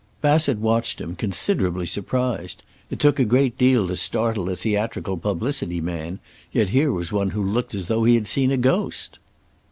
Bassett watched him, considerably surprised. It took a great deal to startle a theatrical publicity man, yet here was one who looked as though he had seen a ghost.